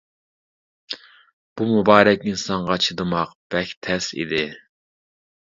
بۇ مۇبارەك ئىنسانغا، چىدىماق بەك تەس ئىدى!